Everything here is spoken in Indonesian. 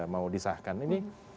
mau disahkan ini